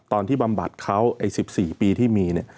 ตอนที่บำบัดเขา๑๔ปีที่มี